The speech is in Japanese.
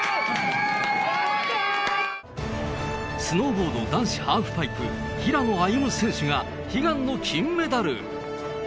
スノーボード男子ハーフパイプ、平野歩夢選手が悲願の金メダル。